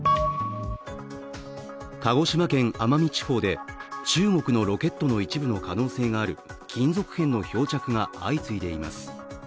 鹿児島県奄美地方で中国のロケットの一部の可能性がある金属片の漂着が相次いでいます。